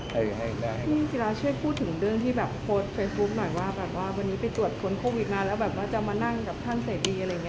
ที่กิราชพูดถึงเรื่องโพสเฟย์ฟูปหน่อยว่าวันนี้ไปตรวจคนโควิดมาแล้วจะมานั่งกับท่านเสดี